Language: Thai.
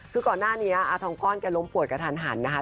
คือก่อนหน้านี้อาทองก้อนแกล้มปวดกระทันหันนะคะ